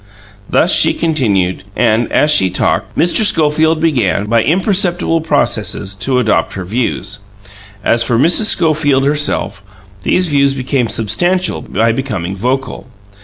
Thus she continued, and, as she talked on, Mr. Schofield began, by imperceptible processes, to adopt her views. As for Mrs. Schofield herself, these views became substantial by becoming vocal.